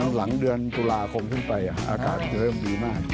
หลังเดือนตุลาคมขึ้นไปอากาศจะเริ่มดีมาก